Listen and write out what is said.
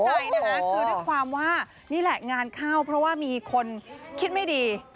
ใช่นะคะคือด้วยความว่านี่แหละงานเข้าเพราะว่ามีคนคิดไม่ดี